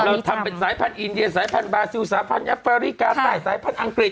เราทำเป็นสายพันธุอินเดียสายพันธบาซิลสาพันธ์แอฟริกาใต้สายพันธุอังกฤษ